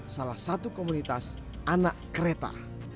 salah satu komunitas anak kereta